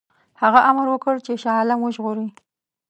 هغه امر وکړ چې شاه عالم وژغوري.